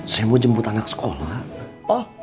saya mau jemput anak sekolah